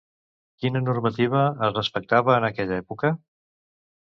Quina normativa es respectava en aquella època?